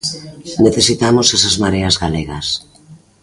Necesitamos esas mareas galegas.